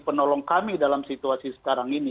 penolong kami dalam situasi sekarang ini